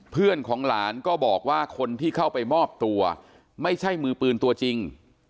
เพื่อนของหลานก็บอกว่าคนที่เข้าไปมอบตัวไม่ใช่มือปืนตัวจริง